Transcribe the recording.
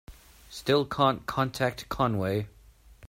Still can't contact Conway.